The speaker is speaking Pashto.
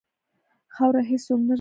خاوره هېڅ څوک نه ردوي.